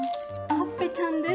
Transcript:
ほっぺちゃんです。